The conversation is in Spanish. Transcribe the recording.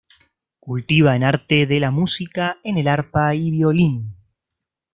Cultiva en arte de la música en el Arpa y violín.